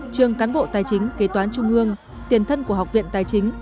trường cán bộ tài chính kế toán trung ương tiền thân của học viện tài chính